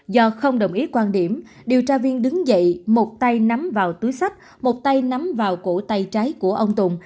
do không đồng ý quan điểm điều tra viên đứng dậy một tay nắm vào túi sách một tay nắm vào cổ tay trái của ông tùng